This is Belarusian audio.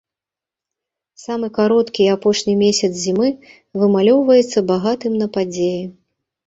Самы кароткі і апошні месяц зімы вымалёўваецца багатым на падзеі.